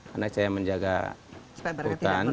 karena saya menjaga hutan